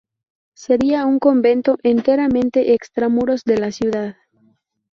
Sería un convento enteramente extramuros de la ciudad.